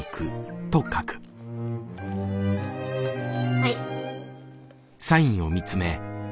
はい。